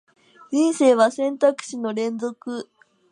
人生は選択肢の連続